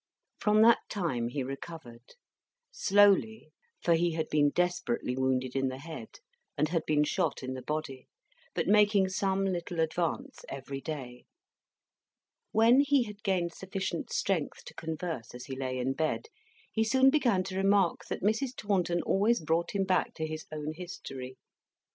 From that time, he recovered. Slowly, for he had been desperately wounded in the head, and had been shot in the body, but making some little advance every day. When he had gained sufficient strength to converse as he lay in bed, he soon began to remark that Mrs. Taunton always brought him back to his own history.